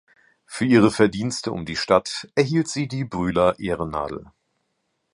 Für ihre Verdienste um die Stadt erhielt sie die Brühler Ehrennadel.